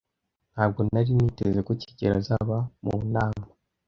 Ntabwo nari niteze ko kigeli azaba mu nama.